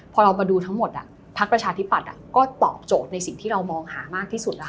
พอเรามาดูทั้งหมดพักประชาธิปัตย์ก็ตอบโจทย์ในสิ่งที่เรามองหามากที่สุดแล้วค่ะ